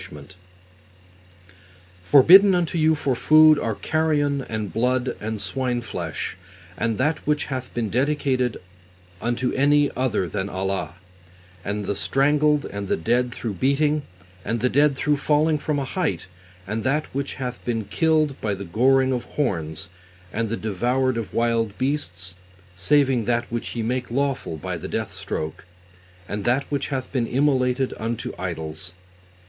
P: Forbidden unto you (for food) are carrion and blood and swineflesh, and that which hath been dedicated unto any other than Allah, and the strangled, and the dead through beating, and the dead through falling from a height, and that which hath been killed by (the goring of) horns, and the devoured of wild beasts, saving that which ye make lawful (by the death stroke), and that which hath been immolated unto idols.